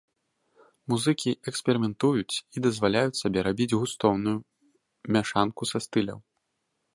Музыкі эксперыментуюць і дазваляюць сабе рабіць густоўную мяшанку са стыляў.